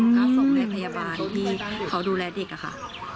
ก็ส่งให้พยาบาลที่เขาดูแลเด็กค่ะ